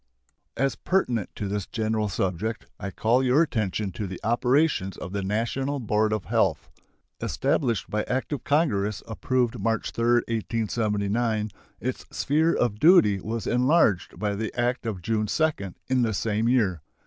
As pertinent to this general subject, I call your attention to the operations of the National Board of Health. Established by act of Congress approved March 3, 1879, its sphere of duty was enlarged by the act of June 2 in the same year.